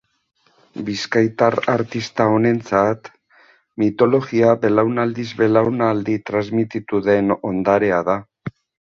Bizkaitar artista honentzat, mitologia belaunaldiz belaunaldi transmititu den ondarea da.